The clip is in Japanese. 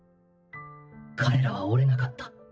彼らは折れなかった。